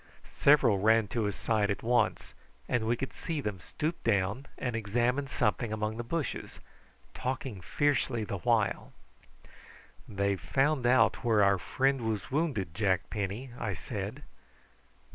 Several ran to his side at once, and we could see them stoop down and examine something among the bushes, talking fiercely the while. "They've found out where our friend was wounded, Jack Penny," I said.